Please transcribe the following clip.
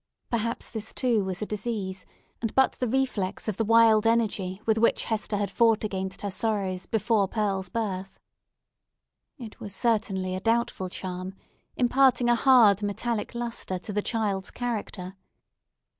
Perhaps this, too, was a disease, and but the reflex of the wild energy with which Hester had fought against her sorrows before Pearl's birth. It was certainly a doubtful charm, imparting a hard, metallic lustre to the child's character.